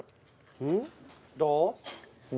うん？どう？